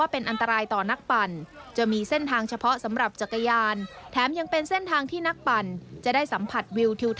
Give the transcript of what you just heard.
เพราะหลังจากนี้